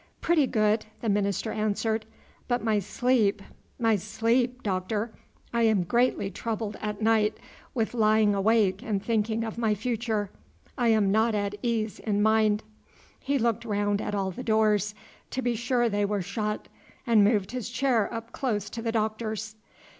"Pretty good," the minister answered; "but my sleep, my sleep, Doctor, I am greatly troubled at night with lying awake and thinking of my future, I am not at ease in mind." He looked round at all the doors, to be sure they were shut, and moved his chair up close to the Doctor's.